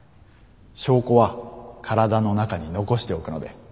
証拠は体の中に残しておくので。